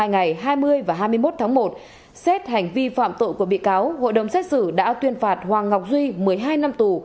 hai ngày hai mươi và hai mươi một tháng một xét hành vi phạm tội của bị cáo hội đồng xét xử đã tuyên phạt hoàng ngọc duy một mươi hai năm tù